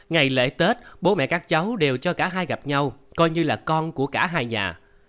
ngày lễ tết bố mẹ các cháu đều cho cả hai gặp nhau coi như là con của cả hai nhà